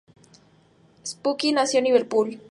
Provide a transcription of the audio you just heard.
Skupski nació en Liverpool.